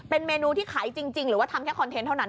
เป็นเมนูที่ขายจริงหรือว่าทำแค่คอนเทนต์เท่านั้น